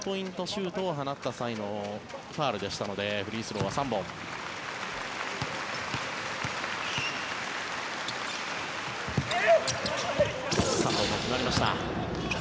シュートを放った際のファウルでしたのでフリースローは３本。決まりました。